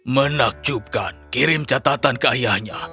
menakjubkan kirim catatan ke ayahnya